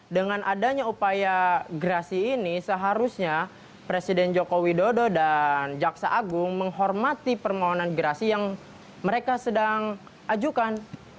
dengan adanya upaya gerasi ini seharusnya presiden joko widodo dan jaksa agung menghormati permohonan gerasi yang mereka sedang ajukan